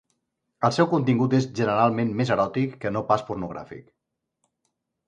El seu contingut és generalment més eròtic que no pas pornogràfic.